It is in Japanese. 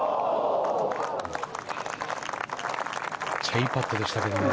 いいパットでしたけどね。